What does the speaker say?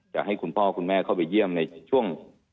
จะให้คุณพ่อคุณแม่เข้าไปเยี่ยมในช่วง